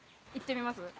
行ってみます？